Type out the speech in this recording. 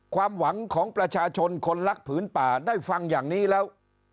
ความหวังของประชาชนคนรักผืนป่าได้ฟังอย่างนี้แล้ว